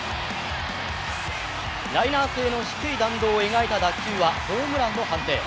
ラインナー性の低い弾道を描いた打球は、ホームランの判定。